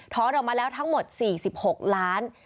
ออกมาแล้วทั้งหมด๔๖ล้าน